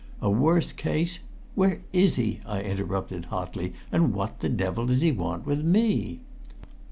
A worse case " "Where is he?" I interrupted hotly. "And what the devil does he want with me?"